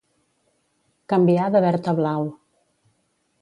Canviar de verd a blau.